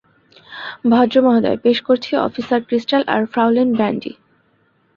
ভদ্রমহোদয়, পেশ করছি officer Crystal আর ফ্রাউলিন ব্র্যান্ডি!